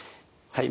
はい。